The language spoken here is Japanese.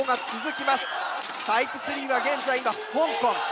タイプ３は現在今香港。